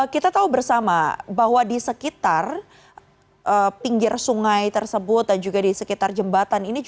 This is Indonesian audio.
kita tahu bersama bahwa di sekitar pinggir sungai tersebut dan juga di sekitar jembatan ini